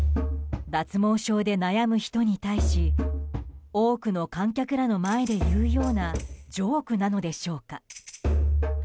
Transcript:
脱毛症で悩む人に対し多くの観客らの前で言うようなジョークなのでしょか。